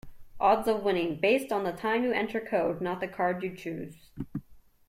Odds of winning: Based on time you enter code not the card you choose.